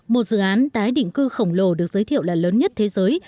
một dự án tái định cư khổng lồ được giới thiệu là lớn nhất thế giới